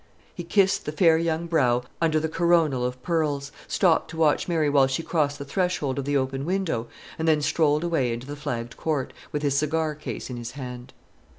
He kissed the fair young brow under the coronal of pearls, stopped to watch Mary while she crossed the threshold of the open window, and then strolled away into the flagged court, with his cigar case in his hand.